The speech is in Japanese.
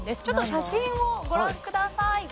ちょっと写真をご覧ください。